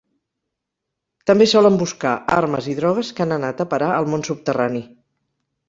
També solen buscar armes i drogues que han anat a parar al món subterrani.